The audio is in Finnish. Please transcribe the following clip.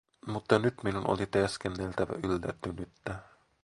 Mutta nyt minun oli teeskenneltävä yllättynyttä.